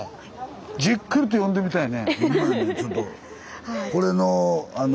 じっくりと読んでみたいね。